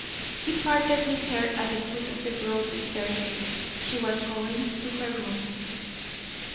He parted with her at the foot of the broad staircase; she was going to her room.